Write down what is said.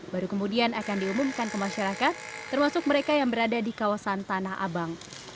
baru kemudian akan diumumkan ke masyarakat termasuk mereka yang berada di kawasan tanah abang